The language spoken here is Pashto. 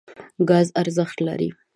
ګاز ارزښت لري.